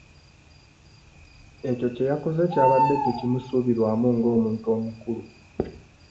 Ekyo kye yakoze kyabadde tekimusuubirwamu nga omuntu omukulu.